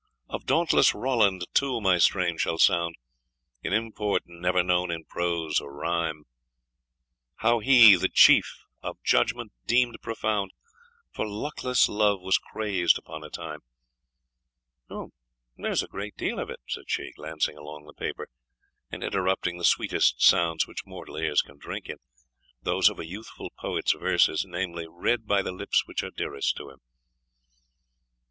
Of dauntless Roland, too, my strain shall sound, In import never known in prose or rhyme, How He, the chief, of judgment deemed profound, For luckless love was crazed upon a time" "There is a great deal of it," said she, glancing along the paper, and interrupting the sweetest sounds which mortal ears can drink in, those of a youthful poet's verses, namely, read by the lips which are dearest to him.